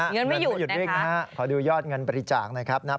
เงินไม่หยุดนะฮะขอดูยอดเงินบริจาคนะครับนะครับ